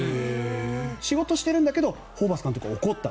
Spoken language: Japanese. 仕事してるんだけどホーバス監督は怒った。